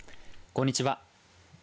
こんにちは。